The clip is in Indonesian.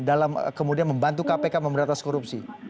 dalam kemudian membantu kpk memberantas korupsi